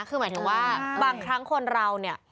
คือหมายถึงว่าบางครั้งคนเราเนี่ย